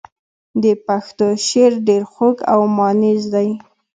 د پښتو شعر ډېر خوږ او مانیز دی.